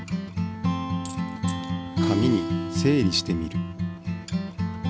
紙に整理してみる。